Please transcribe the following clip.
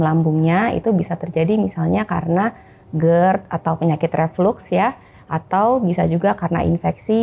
lambungnya itu bisa terjadi misalnya karena gerd atau penyakit reflux ya atau bisa juga karena infeksi